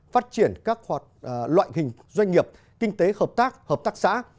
phát triển các loại hình doanh nghiệp kinh tế hợp tác hợp tác xã